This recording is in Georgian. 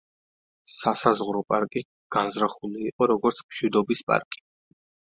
სასაზღვრო პარკი განზრახული იყო როგორც მშვიდობის პარკი.